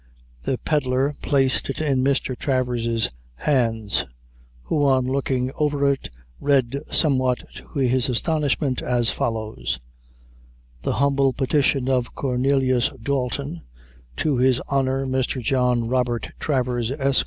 "The pedlar placed it in Mr. Travers' hands, who on looking over it, read, somewhat to his astonishment, as follows: "The humble petition of Cornelius Dalton, to his Honor, Mr. John Robert Travers, Esq.